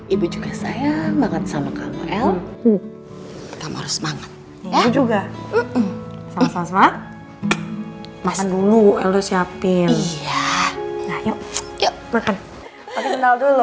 ibu juga sayang banget sama kamu el